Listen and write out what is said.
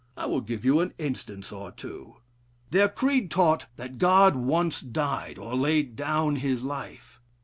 I will give you an instance or two. Their creed taught that God once died, or laid down his life.